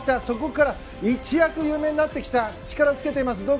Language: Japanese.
そこから一躍有名になって力をつけています。